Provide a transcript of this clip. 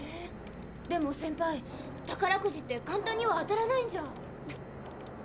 でもセンパイ宝くじって簡単には当たらないんじゃ。